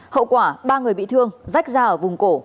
hậu quả ba người bị thương rách ra ở vùng cổ